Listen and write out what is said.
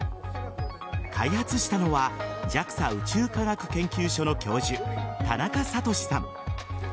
開発したのはＪＡＸＡ宇宙科学研究所の教授田中智さん。